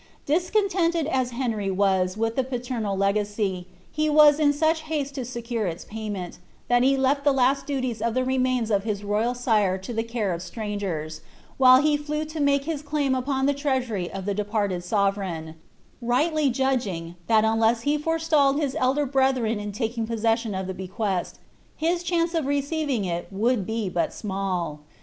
Discontented as Henry was with the paternal legacy, he was in tndl haste to secure ils payment, that he lell the last duties to the reinaiu of his royal sire to tlie care of strangers, while he Hew to make his cUin upon llie treuBurj of the departed sovereign ; rightly judging, that untai he forestalled his elder brcllireu in taking possession of the bequest, his chance of receiving it would be but small.